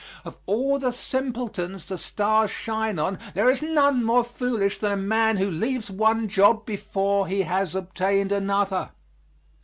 Of all the simpletons the stars shine on there is none more foolish than a man who leaves one job before he has obtained another.